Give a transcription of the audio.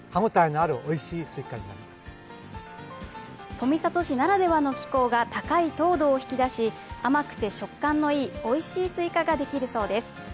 富里市ならではの気候が高い糖度を引き出し、甘くて食感のいいおいしいスイカができるそうです。